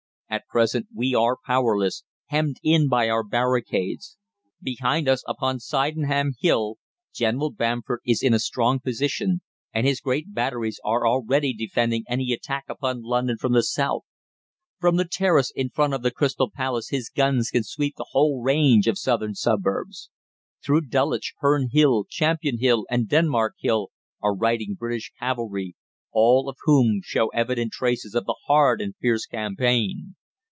At present we are powerless, hemmed in by our barricades. Behind us, upon Sydenham Hill, General Bamford is in a strong position, and his great batteries are already defending any attack upon London from the south. From the terrace in front of the Crystal Palace his guns can sweep the whole range of southern suburbs. Through Dulwich, Herne Hill, Champion Hill, and Denmark Hill are riding British cavalry, all of whom show evident traces of the hard and fierce campaign.